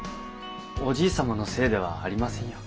おじい様のせいではありませんよ。